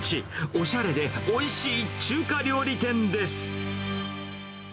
おしゃれで、おいしい中華料理店です。